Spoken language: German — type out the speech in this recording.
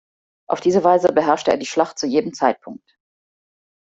Auf diese Weise beherrschte er die Schlacht zu jedem Zeitpunkt.